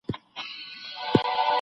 تر څو يو د بل د خوښ ساتلو طريقې وپيژني.